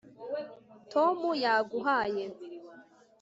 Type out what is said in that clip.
tom yaguhaye